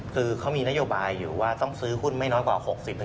คือเขามีนโยบายอยู่ว่าต้องซื้อหุ้นไม่น้อยกว่า๖๐